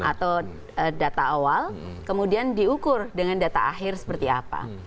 atau data awal kemudian diukur dengan data akhir seperti apa